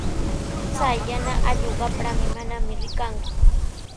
Chay yana allqu qamprami, manami rikanku.